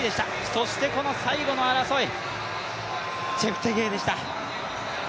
そしてこの最後の争い、チェプテゲイでした。